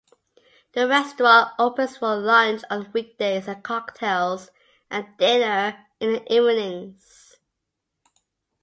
The restaurant opens for lunch on weekdays and cocktails and dinner in the evenings.